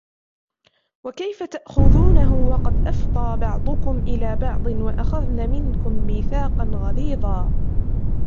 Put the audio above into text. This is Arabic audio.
وَكَيْفَ تَأْخُذُونَهُ وَقَدْ أَفْضَى بَعْضُكُمْ إِلَى بَعْضٍ وَأَخَذْنَ مِنْكُمْ مِيثَاقًا غَلِيظًا